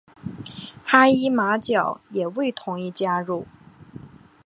哈伊马角也未同意加入。